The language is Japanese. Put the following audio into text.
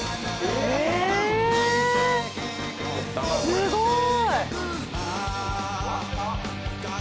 すごい！